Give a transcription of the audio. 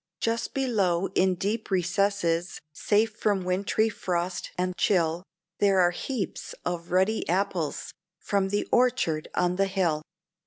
Just below in deep recesses, safe from wintry frost and chill, There are heaps of ruddy apples from the orchard on the hill.